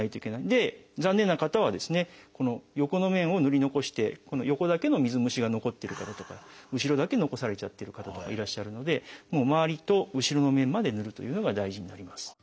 で残念な方はですねこの横の面をぬり残してここの横だけの水虫が残ってる方とか後ろだけ残されちゃってる方とかいらっしゃるので周りと後ろの面までぬるというのが大事になります。